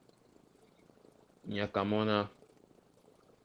Nyaka mɔ́ ná: